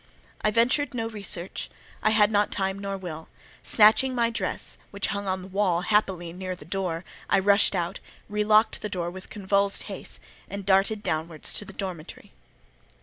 I ventured no research; I had not time nor will; snatching my dress, which hung on the wall, happily near the door, I rushed out, relocked the door with convulsed haste, and darted downwards to the dormitory.